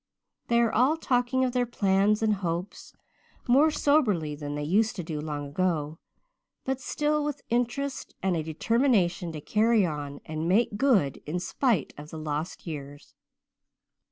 They are all talking of their plans and hopes more soberly than they used to do long ago, but still with interest, and a determination to carry on and make good in spite of lost years.